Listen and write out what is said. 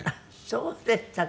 そうでしたか。